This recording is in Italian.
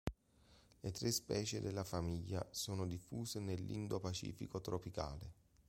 Le tre specie della famiglia sono diffuse nell'Indo-Pacifico tropicale.